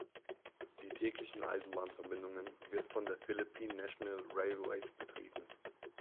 Die täglichen Eisenbahnverbindungen wird von der Philippine National Railways betrieben.